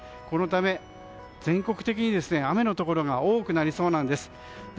このため、全国的に雨のところが多くなりそうなんです。